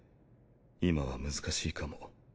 今は難しいかも。